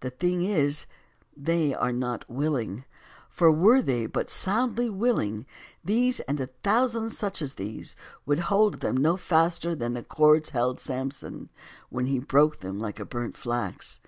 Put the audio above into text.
the thing is, they are not willing ; for were they but soundly willing, these, and a thousand such as these, would hold them no faster than the cords held Samson, when he broke them like burnt flax.